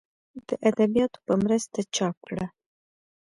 د اديبانو پۀ مرسته چاپ کړه